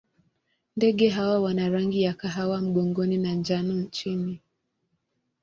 Ndege hawa wana rangi ya kahawa mgongoni na njano chini.